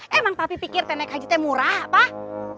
aduh emang papi pikir naik haji murah pak